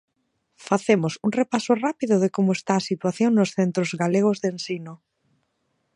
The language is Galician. Facemos un repaso rápido de como está a situación nos centros galegos de ensino.